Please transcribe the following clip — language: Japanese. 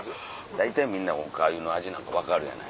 大体みんなお粥の味なんか分かるやない。